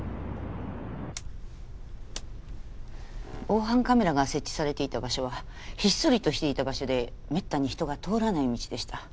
防犯カメラが設置されていた場所はひっそりとしていた場所でめったに人が通らない道でした。